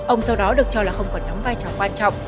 ông do đó được cho là không còn đóng vai trò quan trọng